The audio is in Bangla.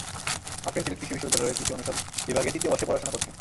আফরিন সিলেট কৃষি বিশ্ববিদ্যালয়ের কৃষি অনুষদ বিভাগে তৃতীয় বর্ষে পড়াশোনা করছেন।